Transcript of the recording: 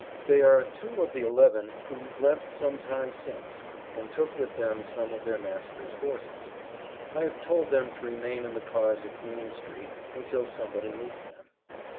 They are two of the eleven who left some time since, and took with them some of their master's horses; I have told them to remain in the cars at Green street until somebody meets them.